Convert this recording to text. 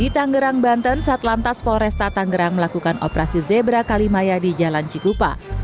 di tanggerang banten satlantas polresta tanggerang melakukan operasi zebra kalimaya di jalan cikupa